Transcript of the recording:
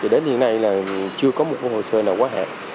đến hiện nay là chưa có một hồ sơ nào quá hạn